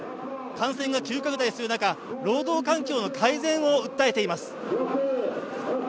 感染が急拡大する中労働環境の改善を訴えています。